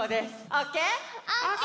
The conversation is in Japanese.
オッケー！